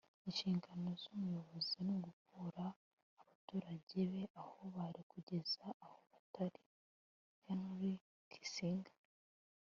inshingano z'umuyobozi ni ugukura abaturage be aho bari kugeza aho batari. - henry kissinger